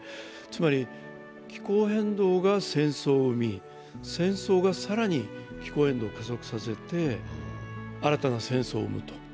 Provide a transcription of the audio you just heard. つまり気候変動が戦争を生み、戦争が更に気候変動を進ませて新たな戦争を生むと。